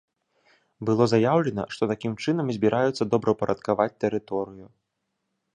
Было заяўлена, што такім чынам збіраюцца добраўпарадкаваць тэрыторыю.